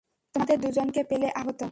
তোমাদের দুজনকে পেলে আরো ভালো হতো।